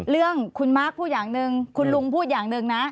เรื่องคุณมาร์คพูดอย่างหนึ่งคุณลุงพูดอย่างหนึ่งนะ